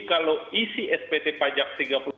kalau isi spt pajak tiga puluh satu maret